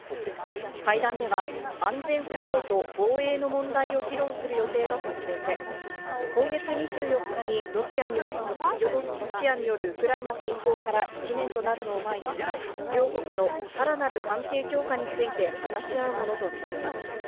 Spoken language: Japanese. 会談では安全保障と防衛の問題を議論する予定だとしていて、今月２４日にロシアによるウクライナ侵攻から１年となるのを前に、両国のさらなる関係強化について話し合うものとみられます。